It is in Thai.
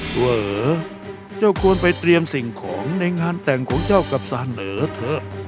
เวอเจ้าควรไปเตรียมสิ่งของในงานแต่งของเจ้ากับสาเหนอเถอะ